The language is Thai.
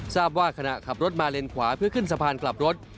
ทราบว่าขณะขับรถมาเลนขวาเพื่อขึ้นสะพานกลับรถ